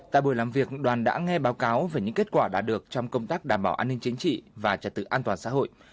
tại buổi làm việc đoàn đã nghe báo cáo về những kết quả đạt được trong công tác đảm bảo an ninh chính trị và trật tự an toàn xã hội